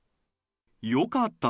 よかった。